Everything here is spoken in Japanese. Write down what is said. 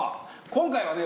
今回はね